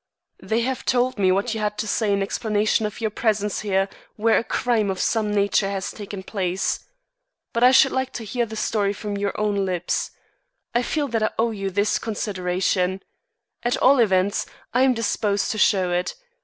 "They have told me what you had to say in explanation of your presence here where a crime of some nature has taken place. But I should like to hear the story from your own lips. I feel that I owe you this consideration. At all events, I am disposed to show it.